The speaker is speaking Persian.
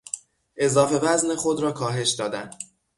اضافه وزن خود را کاهش دادن